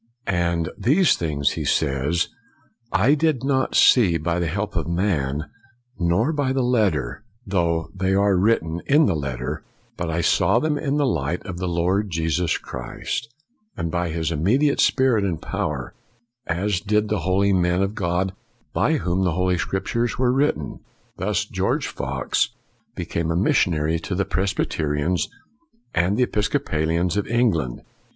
FOX 28 And " these things/' he says, " I did not see by the help of man, nor by the letter, though they are written in the let ter, but I saw them in the light of the Lord Jesus Christ, and by His immediate spirit and power, as did the holy men of God by whom the Holy Scriptures were written.' Thus George Fox became a missionary to the Presbyterians and the Episcopalians of England.